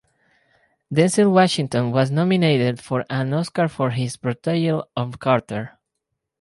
Denzel Washington was nominated for an Oscar for his portrayal of Carter.